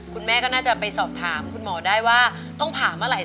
คุณแม่ก็น่าจะไปสอบถามคุณหมอได้ว่าต้องผ่าเมื่อไหร่